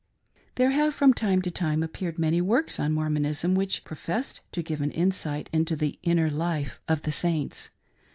There have from time to time appeared many works on Mormonism which professed to give an insight into the "inner life" of the Saints.